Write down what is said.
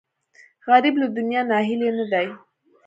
غریب له دنیا ناهیلی نه دی